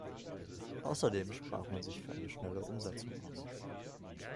Außerdem sprach man sich für eine schnelle Umsetzung aus.